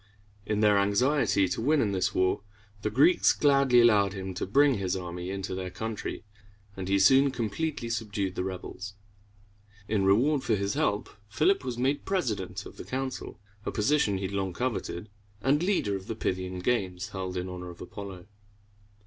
In their anxiety to win in this war, the Greeks gladly allowed him to bring his army into their country, and he soon completely subdued the rebels. In reward for his help, Philip was made president of the council, a position he had long coveted, and leader of the Pyth´i an games held in honor of Apollo.